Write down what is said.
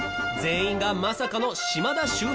全員がまさかの島田秀平